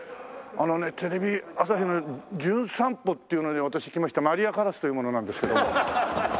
あのねテレビ朝日の『じゅん散歩』っていうので私来ましたマリア・カラスという者なんですけど。